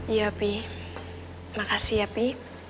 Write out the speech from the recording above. iya pi makasih ya pi